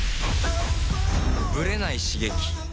ブレない刺激